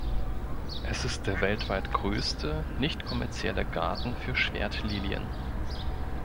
Es ist der weltweit größte nicht-kommerzielle Garten für Schwertlilien.